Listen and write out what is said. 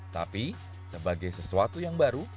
tapi sebagai sesuatu yang baru